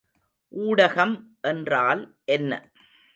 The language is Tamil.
ஊடகம் என்றால் என்ன?